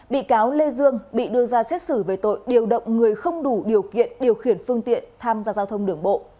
bị cáo lê dương bị đưa ra xét xử về tội điều động người không đủ điều kiện điều khiển phương tiện tham gia giao thông đường bộ